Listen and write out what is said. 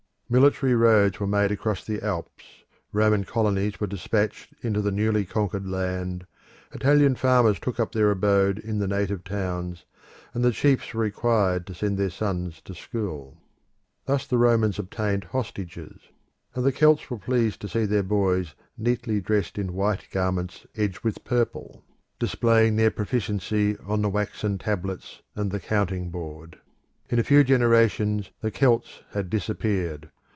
Military roads were made across the Alps, Roman colonies were dispatched into the newly conquered land, Italian farmers took up their abode in the native towns, and the chiefs were required to send their sons to school. Thus the Romans obtained hostages, and the Celts were pleased to see their boys neatly dressed in white garments edged with purple, displaying their proficiency on the waxen tablets and the counting board. In a few generations the Celts had disappeared.